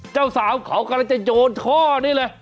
เจ้าสาวเขากำลังจะโยนท่อนี้เลย